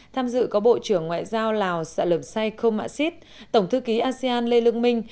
tham dự có bộ trưởng ngoại giao lào sạ lầm say khô mạ xít tổng thư ký asean lê lương minh